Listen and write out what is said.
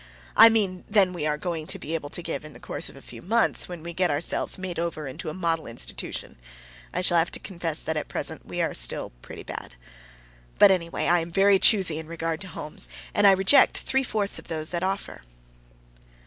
I mean than we are going to be able to give in the course of a few months, when we get ourselves made over into a model institution. I shall have to confess that at present we are still pretty bad. But anyway, I am very CHOOSEY in regard to homes, and I reject three fourths of those that offer.